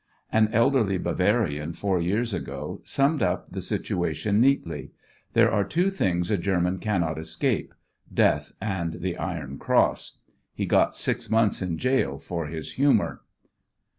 An elderly Bavarian four years ago, summed up the situation neatly: "There are two things a German cannot escape Death and the Iron Cross." He got six months in gaol for his humour.